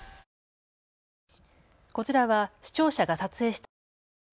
こちらは視聴者が撮影した映像です。